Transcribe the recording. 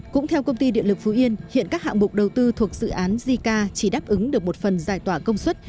cũng theo công ty điện lực phú yên hiện các hạng mục đầu tư thuộc dự án zika chỉ đáp ứng được một phần giải tỏa công suất